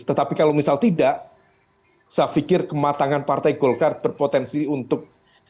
tetapi kalau misal tidak saya pikir kematangan partai golkar berpotensi untuk